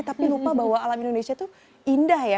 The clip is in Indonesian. tapi lupa bahwa alam indonesia itu indah ya